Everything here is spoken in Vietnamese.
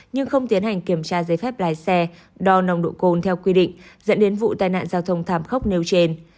nhưng không tiến hành kiểm tra giấy phép lái xe đo nồng độ cồn theo quy định dẫn đến vụ tai nạn giao thông thảm khốc nêu trên